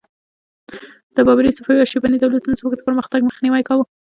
د بابري، صفوي او شیباني دولتونو زموږ د پرمختګ مخنیوی کاوه.